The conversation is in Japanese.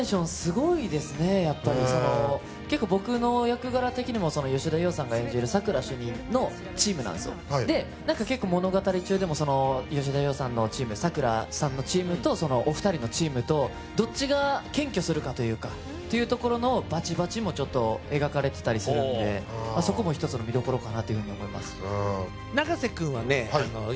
やっぱり結構僕の役柄的にも吉田羊さんが演じる佐久良主任のチームなんですよで結構物語中でも吉田羊さんのチーム佐久良さんのチームとお二人のチームとどっちが検挙するかというかというところのバチバチもちょっと描かれてたりするんでそこも一つの見どころかなというふうに思います